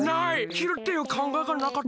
きるっていうかんがえがなかったな。